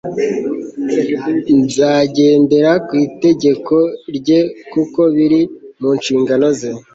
nzagendera ku itegeko rye kuko biri munshingano ze